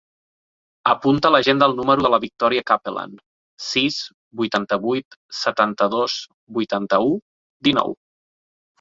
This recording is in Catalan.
Apunta a l'agenda el número de la Victòria Capellan: sis, vuitanta-vuit, setanta-dos, vuitanta-u, dinou.